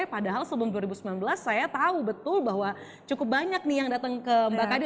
padahal sebelum dua ribu sembilan belas saya tahu betul bahwa cukup banyak nih yang datang ke mbak kadi